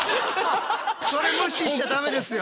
それ無視しちゃダメですよ。